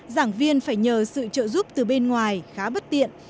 giảng viên phải nhờ sự trợ giúp từ bên ngoài khá bất tiện